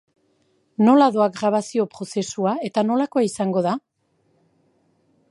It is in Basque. Nola doa grabazio prozesua eta nolakoa izango da?